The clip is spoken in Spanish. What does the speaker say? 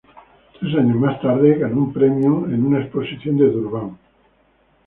Tres años más tarde ganó un premio en una exposición en Durban.